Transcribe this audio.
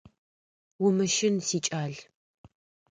Умыщын, сикӏал…